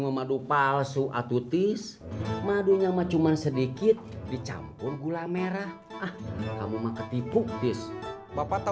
memadu palsu atutis madunya macuman sedikit dicampur gula merah kamu mah ketipu this bapak